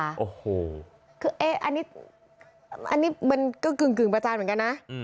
โอ้โหคือเอ๊ะอันนี้มันก็กึ่งประจานเหมือนกันนะ